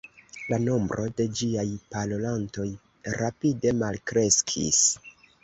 La nombro de ĝiaj parolantoj rapide malkreskis.